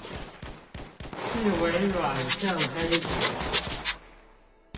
是微軟正黑體